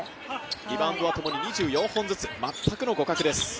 リバウンドはともに２４本ずつ、全くの互角です。